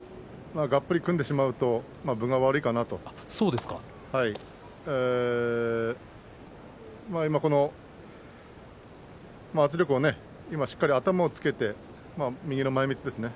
左の相四つですけどがっぷり組んでしまうと分が悪いかなと圧力を、しっかり頭をつけて右の前みつですね。